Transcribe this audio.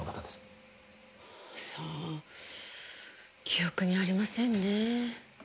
記憶にありませんね。